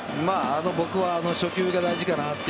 僕は初球が大事かなと。